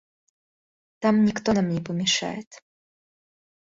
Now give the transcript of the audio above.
Там никто нам не помешает».